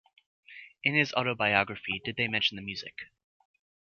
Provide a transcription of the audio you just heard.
In his autobiography Did They Mention the Music?